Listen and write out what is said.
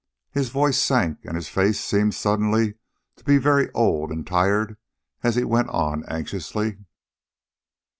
His voice sank, and his face seemed suddenly to be very old and tired as he went on anxiously.